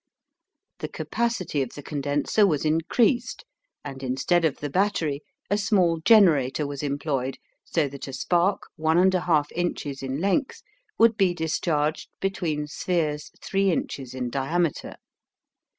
The capacity of the condenser was increased and instead of the battery a small generator was employed so that a spark 1 1/2 inches in length would be discharged between spheres 3 inches in diameter.